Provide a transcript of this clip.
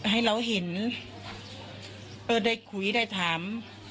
ให้เราเห็นเออได้คุยได้ถาม